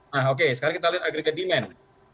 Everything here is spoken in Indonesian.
nah oke sekarang kita lihat agregat demand